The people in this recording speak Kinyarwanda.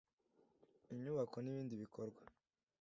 Inyubako n ibindi bikorwa